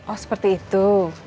oh seperti itu